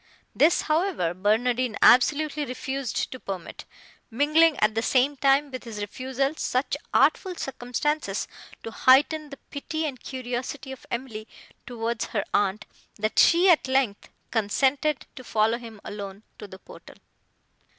This, however, Barnardine absolutely refused to permit, mingling at the same time with his refusal such artful circumstances to heighten the pity and curiosity of Emily towards her aunt, that she, at length, consented to follow him alone to the portal.